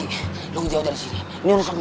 gigi lo jauh dari sini ini urusan gue